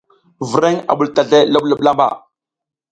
Vreŋ a ɓul tazlay loɓloɓ lamba.